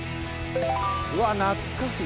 うわっ懐かしい。